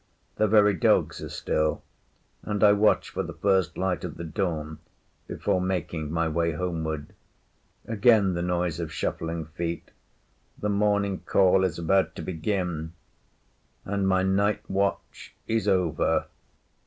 The very dogs are still, and I watch for the first light of the dawn before making my way homeward. Again the noise of shuffling feet. The morning call is about to begin, and my night watch is over.